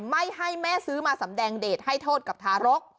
ไม่ให้แม่ซื้อมาสำแดงเดทให้โทษกับทารก